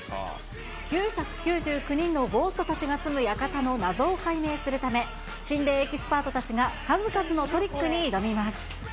９９９人のゴーストたちが住む館の謎を解明するため、心霊エキスパートたちが数々のトリックに挑みます。